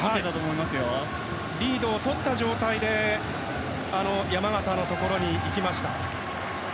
リードをとった状態で山縣のところにいきました。